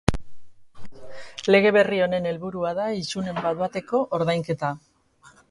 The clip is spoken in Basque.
Lege berri honen helburua da isunen bat-bateko ordainketa.